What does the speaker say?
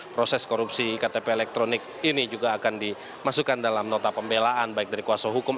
proses korupsi ktp elektronik ini juga akan dimasukkan dalam nota pembelaan baik dari kuasa hukum